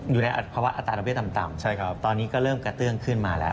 อยู่ในภาวะอัตราดอกเบี้ต่ำใช่ครับตอนนี้ก็เริ่มกระเตื้องขึ้นมาแล้ว